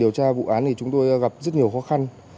điều tra vụ án thì chúng tôi gặp rất nhiều khó khăn